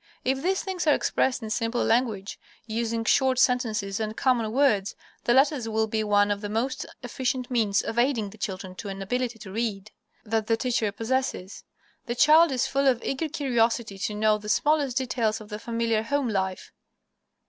If these things are expressed in simple language, using short sentences and common words, the letters will be one of the most efficient means of aiding the children to an ability to read, that the teacher possesses. The child is full of eager curiosity to know the smallest details of the familiar home life.